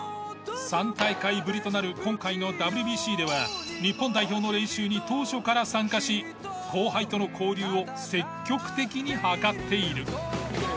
３大会ぶりとなる今回のＷＢＣでは日本代表の練習に当初から参加し後輩との交流を積極的に図っている。